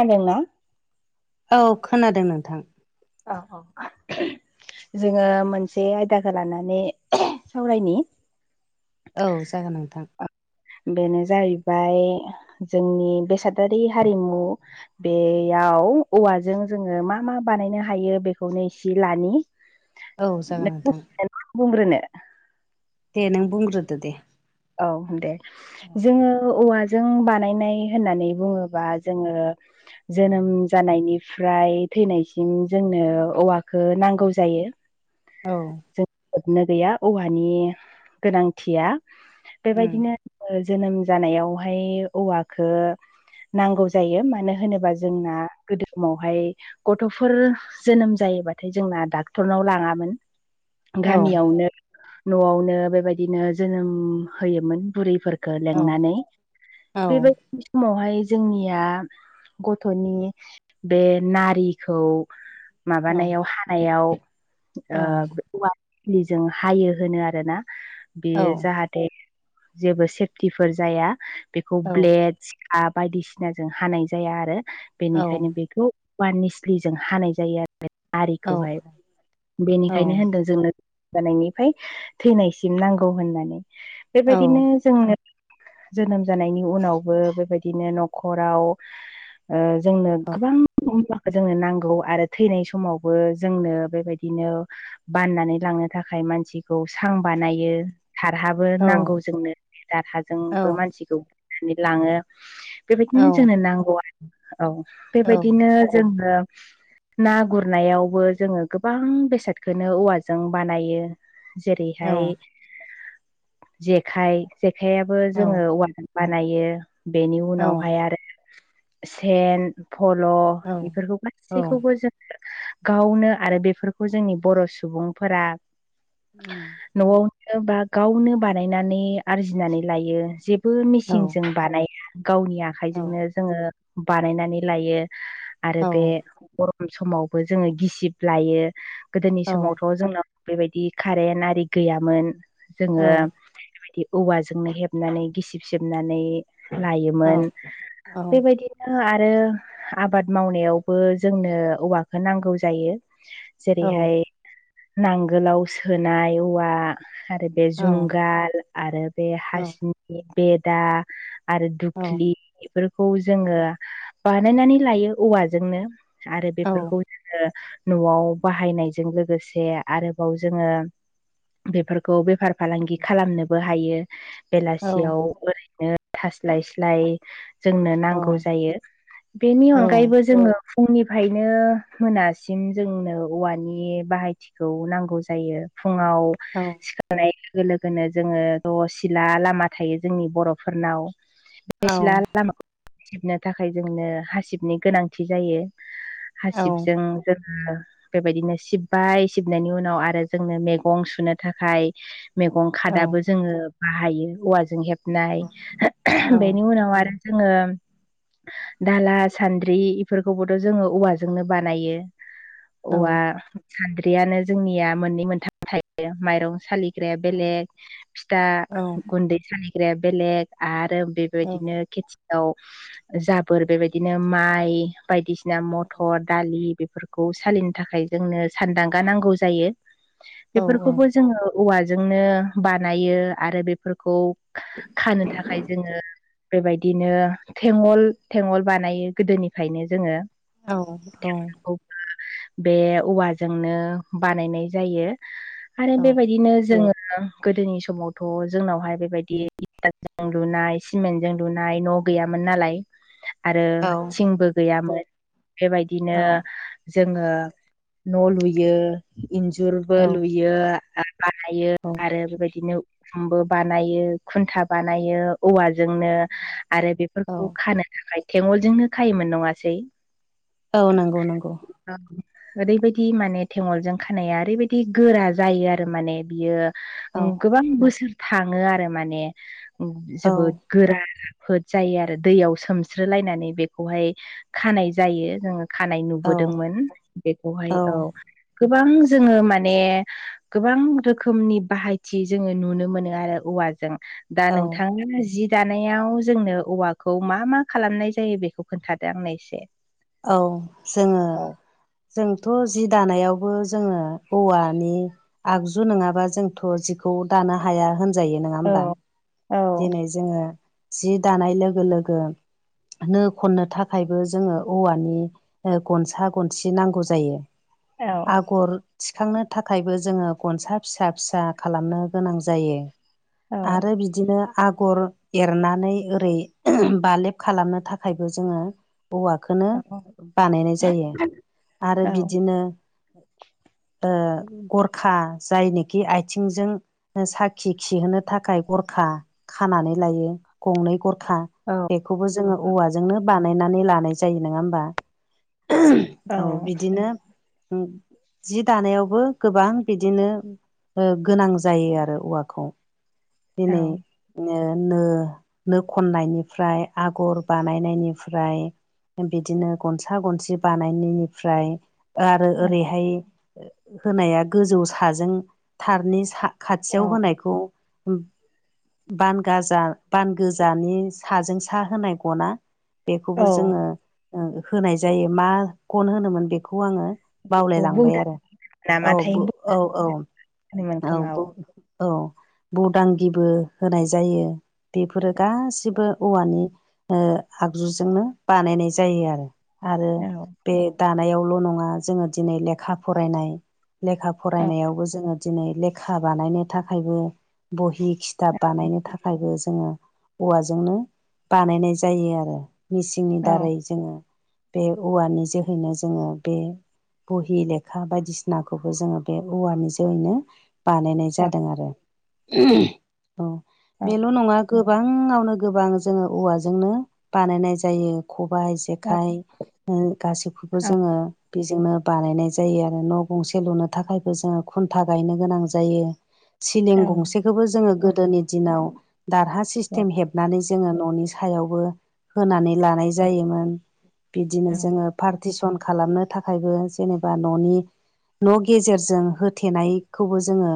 खोनादोंना औ खोनादों नोंथां औ-औ जोङो मोनसे आयदाखौ लानानै सावरायनि औ जागोन नोंथां बेनो जाहैबाय जोंनि बेसादारि हारिमु बेयाव औवाजों जोङो मा मा बानायनो हायो बेखौनो इसे लनि [inaudible] औ जागोन नोंथां बुंग्रोनो दे नों बुंग्रोदो दे औ दे जोङो औवाजों बानायनाय होननानै बुङोबा जोङो जोनोम जानायनिफ्राय थैजासिम जोंनो औवाखौ नांगौ जायो [inaudible] [inaudible] औ जोबनो गैया औवानि गोनांथिया उम बेबायदिनो जोनोम जानायावहाय औवखौ नांगौ जायो मानो होनोबा जोंना गोदो समावहाय गथ'फोर जोनोम जायोबाथाय जोंना डाक्टरनाव लाङामोन औ गामियावनो न'आवनो बेबायदिनो जोनोम होयोमोन बुरैफोर खो औ लिंनानै औ बेबायदि समावहाय जोंनिया गथ'नि बे नारिखौ औ माबानायाव हानायाव ओ औ औवाजों खिलिजों हायो होनो आरोना औ बेयो जाहाथे नथाय जेबो सेफटिफोर जाया बेखौ ब्लेड हा बायदिसिनाजों हानाय जाया आरो औ बेनिखायनो बेखौ वान निस्लिजों हानाय जायो आरो औ नारिखौहाय औ बेनिखायनो होनदों जोंनो जानायनिफ्राय थैनायसिम नांगौ होननानै औ बेबायदिनो जोंनो जोनोम जानायनि उनावबो बेबायदिनो न'खराव जोंनो गोबां जोंनो नांगौ आरो थैनाय समावबो जोंनो बेबायदिनो बाननानै लांनो थाखाय मानसिखौ सां बानायो थारहाबो औ औ नांगौ उम जोंनो दहाजोंबो औ मानसिखौ बनानै लाङो औ बेबायदिनो औ जोंनो नांगौ आरो औ औ बेबायदिनो जोङो ना गुरनायावबो जोङो गोबां बेसादखौनो औवाजों बानायो औ जेरैहाय जेखाइ जेखाइयाबो जोङो औवाजों बानायो बेनि उनावहाय औ आरो सेन फल' बेफोरखौ औ गासैखौबो जों गावनो आरो बेफोरखौ जोंनि बर' सुबुंफोरा उम न'आवनो बा गावनो बानायनानै आरजिनानै लायो जे बो मेसिनजों बानाया गावनि आखाइजोंनो जोङो बानायनानै लायो आरो बे गरम समावबो जोङो गिसिब लायो गोदोनि समावथ' जोंनो बेबायदि कारेन्ट आरि गैयामोन जोङो बेबायदि औवाजोंनो हेबनानै गिसिब सिबनानै लायोमोन औ बेबायदिनो आरो आबाद मावनायावबो जोंनो औवाखौ नांगौ जायो जेरैहाय नांगोलाव सोनाय औवा आरो बे जुंगाल आरो बे हासिनि बेदा आरो दुख्लि बेफोरखौ जोङो बानायनानै लायो औवाजोंनो आरो बेफोरखौ जोङो न'आव बाहायनायजों लोगोसे आरोबाव जोङो बेफोरखौ बेफार फालांगि खालामनोबो हायो बेलासियाव ओरैनो थास्लाय स्लाय जोंनो नांगौ जायो बेनि औ अनगायैबो जोङो फुंनिफ्रायनो मोनासिम जोंनो औवानि बाहायथि खौ नांगौ जायो फुङाव औ लोगो लोगोनो जोङो सिला लामा थायो जोंनि बर'फोरनाव औ बे सिथला लामाखौ हा सिबनो थाखाय जोंनो हासिबनि गोनांथि जायो हासिब जों बेबायदिनो सिबबाय सिबनायनि उनाव आरो जोंनो मैगं सुनो थाखाय मैगं खादाबो जोङो बाहायो औवाजों हेबनाय बेनि उनाव आरो जोङो दाला सान्द्रि बेफोरखौबोथ' जोङो औवाजोंनो बानायो औवा सान्द्रियानो जोंनिया मोननै मोनथाम थायो माइरं सालि सालिग्राया बेलेग फिथा गुन्दै सालिग्राया बेलेग आरो बे बेबायदिनो खेथियाव जाबोर बेबायदिनो माइ बायदिसिना बिना मथर दालि बेफोरखौ सालिनो थाखाय जोंनो सानदांगा नांगौ जायो बेफोरखौबो जोङो औवाजोंनो बानायो आरो बेफोरखौ खानो थाखाय जोङो बेबायदिनो थेंगल थेंगल बानायो गोदोनिफ्रायनो जोङो औ औ बे औवाजोंनो बानायनाय जायो आरो बे बिदिनो जोङो गोदोनि समावथ' जोंनावहाय बेबायदिजों लुनाय सिमेन्ट जों लुनाय न' गैयामोन नालाय आरो औ थिंबो गैयामोन बेबायदिनो जोङो न' लुयो इन्जुरबो लुयो बानायो औ आरो बेबायदिनो उखमबो बानायो खुन्था बानायो औवाजोंनो आरो बेफोरखौ औ खानो थाखाय थेंगलजोंनो खायोमोन नङासै औ नंगौ नंगौ ओरैबायदि माने थेंगलजों खानाया ओरैबायदि गोरा जायो आरो माने बियो औ गोबां बोसोर थाङो आरो माने औ जोबोद गोरा राफोद जायो आरो दैयाव सोमस्र लायनानै बेखौहाय खानाय जायो जोङो खानाय औ नुबोदोंमोन बेखौहाय औ गोबां जोङो माने गोबां रोखोमनि बाहायथि जोङो नुनो मोनो आरो औवाजों दा नोंथाङा जि जानायाव जोंनो औवाखौ मा मा खालामनाय जायो बेखौ खोन्थादो आंनो एसे औ जोङो औ जोंथ' जि दानायावबो जोङो औवानि आगजु नङाबा जोंथ' जिखौ दानो हाया होनजायो नङा होमबा औ औ दिनै जोङो जि दानाय लोगो लोगो नो खननो थाखायबो जोङो औवानि गनसा गनसि नांगौ जायो आगर थिखांनो थाखायबो जोङो गनसा फिसा फिसा खालामनो गोनां जायो आरो बिदि बिदिनो आगर एरनानै ओरै बालेब खालामनो थाखायबो जोङो औवखोनो बानायनाय जायो आरो औ-औ-औ-औ-औ-औ-औ-औ बिदिनो ओ गरखा जायनिखि आथिंजों साखि खिहोनो थाखाय गर खा खानानै लायो गंनै गरखा बेखौबो जोङो औवाजोंनो बानायनानै लानाय जायो नङा होमबा औ बिदिनो जि दानायावबो गोबां बिदिनो गोनां जायो आरो औवाखौ दिनै नो नो खननायनिफ्राय आगर बानायनायनिफ्राय बिदिनो गनसा गनसि बानायनायनिफ्राय आरो ओरैहाय होनाया गोजौ साजों थारनि सा खाथियाव होनायखौ बान गाजा बान गोजानि साजों साहा होनाय गना बेखौबो जोङो होनाय जायो मा गन होनोमोन बेखौ आङो बेखौ बावलायलांबाय बौदा आरो नामाथाय औ-औ-औ-औ होनोमोन खोमा औ औ बौदां गिबो होनाय जायो बेफोरो गासिबो औवानि आगजुजोंनो बानायनाय जायो आरो आरो बे दानायावल' नङा जोङो दिनै लेखा फरायनाय लेखा फरायनायावबो जोङो दिनै लेखा बानायनो थाखायबो बहि खिथाब बानायनो थाखायबो जोङो औवाजोंनो बानायनाय जायो आरो मिेसिंनि दारै जोङो बे औवानि जोहैनो जोङो बे बहि लेखा बायदिसिनाखौबो जोङो बे औवानि जोहैनो बानायनाय जादों आरो औ बेल' नङा गोबाङावनो गोबां जोङो औवाजोंनो बानायनाय जायो खबाइ जेखाइ गासैखौबो औ-औ-औ-औ-औ-औ-औ-औ-औ-औ-औ-औ जोङो बेजोंनो बानायनाय जायो आरो न' गंसे लुनो थाखायबो जोङो खुन्था गायनो गोनां जायो सिलिं गंसेखौबो जोङो गोदोनि दिनाव दारहा सिस्टेम हेब नानै जोङो न'नि सायावबो होनानै लानाय जायोमोन बिदिनो जोङो पार्टिसन खालामनो थाखायबो जेनेबा न'नि न' गेजेरजों होथेनायखौबो जोङो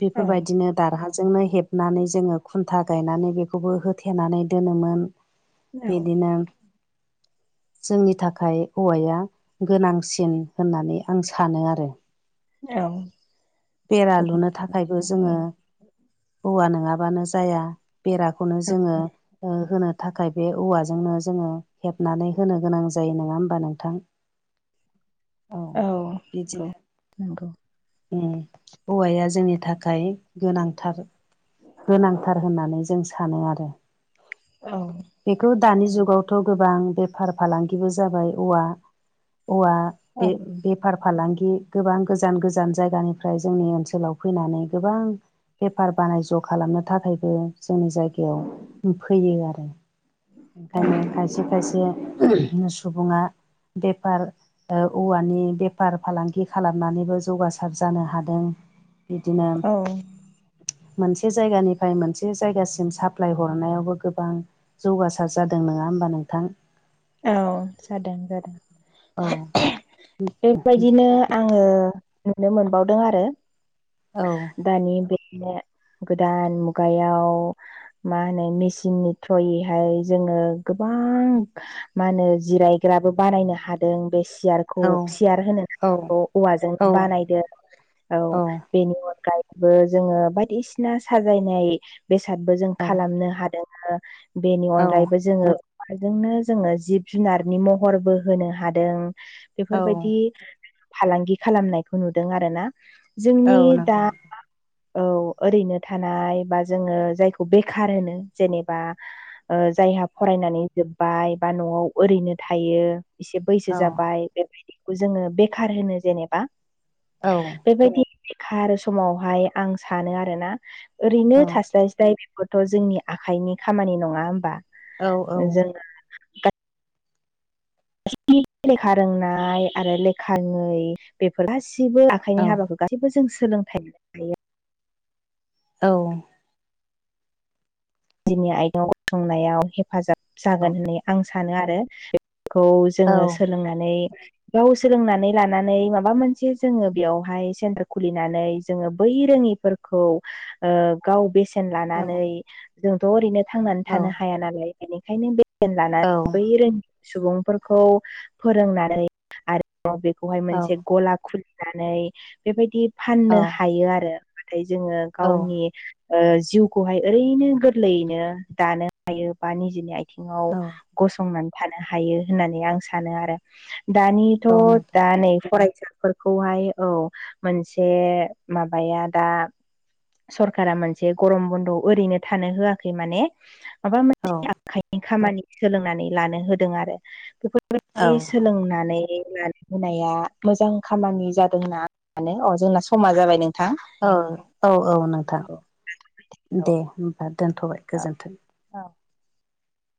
बेफोरबायदिनो दारहाजोंनो हेब हनानै जोङो खुन्था गायनानै बेखौबो होथेनानै दोनोमोन बेदिनो [inaudible] जोंनि थाखाय औवाया गोनांसिन होननानै आं सानो आरो बेरा लुनो थाखायबो औ-औ-औ-औ जोङो हौवा नङाबानो जाया बेराखौनो जोङो होनो थाखाय बे औवाजोंनो जोङो हेबनानै होनो गोनां जायो नङा होमबा नोंथां [inaudible] औ बिदिनो नंगौ औवाया जोंनि थाखाय गोनांथार गोनांथार होननानै जों सानो आरो औ बेखौ दानि जुगावथ' गोबां बेफार फालांगिबो जाबाय औवा औवा बे बे बेफार फालांगि गोबां गोजान गोजान जायगानिफ्राय जोंनि ओनसोलाव फैनानै गोबां बेफार बानिज्य खालामनो थाखायबो जोंनि जायगायाव फैयो आरो ओंखायनो खायसे खायसे सुबुङा बेफार दा औवानि बेफार फालांगि खालामनानैबो जौगासार जानो हादों बिदिनो मोनसे जायगानिफ्राय मोनसे जायगासिम साप्लाय हरनायावबो गोबां जौगासार जादों नङा होमबा नोंथां औ जादों जादों औ बेबायदिनो आङो नुनो मोनबावदों आरो औ दानि बे गोदान मुगायाव मा होनो मेसिननि थ्रयैहाय जोङो गोबां मा होनो जिरायग्राबो बानायनो हादों बे सियार खौ औ सियार होनो औ औवाजों औ बानायदों औ बेनि अनगायैबो जोङो बायदिसिना साजायनाय बेसादबो जों खालामनो हादों। बेनि औ अनगायैबो जोङो अमाजोंनो जोङो जिब जुनारनि महरबो होनो हादों औ बेफोरबायदि फालांगि खालामनायखौ नुदों आरोना औ जोंनि दा नंगौ औ ओरैनो थानाय बा जोङो जायखौ बेखार होनो जेनेबा जायहा नंगौ फरायनानै जोब्बाय बा न'आव ओरैनो थायो इसे बैसो औ जाबाय बेबायदि जोङो बेखार होनो जेनेबा औ बेबायदि बेखार समावहाय आं सानो आरोना औ ओरैनो थास्लाय स्लाय खौथ' जोंनि आखाइनि खामानि नङा होमबा औ औ जोङो लेखा रोंनाय आरो लेखा रोङै बेफोर गासैबो औ आखाइनि हाबाखौ गासैबो जों सोलोंथाइ लायो औ दिनि आथिंआव गसंनायाव हेफाजाब जागोन होननानै आं सानो आरो खौ जोङो सोलोंनानै गाव सोलोंनानै लानानै माबा मोनसे जोङो बेयावहाय सेन्टार खुलिनानै जोङो बै रोङिफोर गाव बेसे जोथोन जोंथ' ओरैनो थांनानै थानो हाया नालाय बेनो औ बै रोंड़ै सुबुंफोरखौ फोरोंनानै आरो बेखौहाय मोनसे गला खुलिनानै बेबायदि फाननो हायो आरो नाथाय जोङो औ गावनि जिउखौहाय ओरैनो गोरलैनो दानो हायो बा निजेनि आथिङाव औ गसंनानै थानो हायो होननानै आं सानो आरो दानि औ थ' नोंथां दा नै फरायसा फोरखौहाय औ मोनसे माबाया दा सरखारा मोनसे गरम बन्द' ओरैनो थानो होआखै माने मा मोन औ आखाइनि खामानि सोलोंनानै लानो होदों आरो बेफोर औ सोलोंनानै लानो होनाया मोजां खामानि जादोंना मानो अ जोंना समा जाबाय नोंथां औ औ औ नोंथां औ औ दे होमबा दोनथ'बाय गोजोन्थों औ